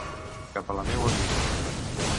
Cap a la meua vida.